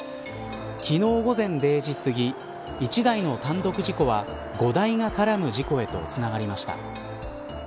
昨日、午前０時すぎ１台の単独事故は５台が絡む事故へとつながりました。